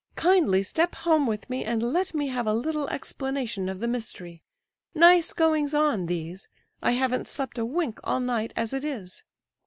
"Kindly step home with me, and let me have a little explanation of the mystery. Nice goings on, these! I haven't slept a wink all night as it is."